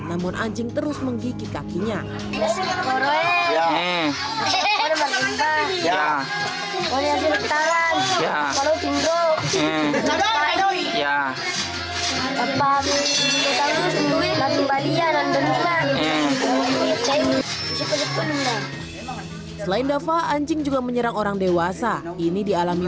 namun anjing terus menggigit kakinya selain dava anjing juga menyerang orang dewasa ini dialami